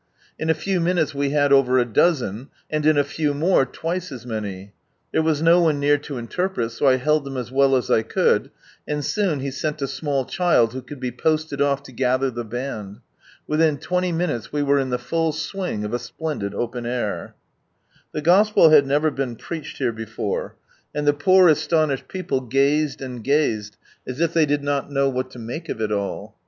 In a few minutes we had over a dozen, and in a few more, twice as many. There was no one near to interpret, so I held them as well as 1 could, and soon He sent a small child who could be posted off to gather the band. Within twenty minutes we were in the full swing of a splendid open air. The Gospel had never been preached here before, and the poor astonished people gazed and gazed, as if they did not know what to make q( it all.